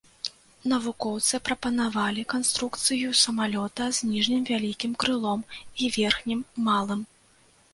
Навукоўцы прапанавалі канструкцыю самалёта з ніжнім вялікім крылом і верхнім малым.